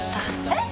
えっ！！